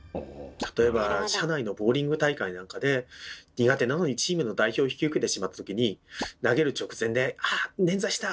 例えば社内のボウリング大会なんかで苦手なのにチームの代表を引き受けてしまったときに投げる直前で「あ捻挫した！